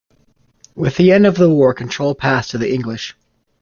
With the end of the war control passed to the English.